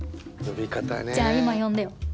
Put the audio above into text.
じゃあ今呼んでよ。